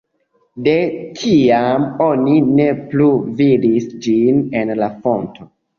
De tiam oni ne plu vidis ĝin en la fonto.